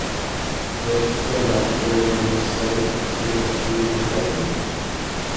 Vai šis cilvēks tikko izņēma no seifa, kas pieder Stīvam Praisam?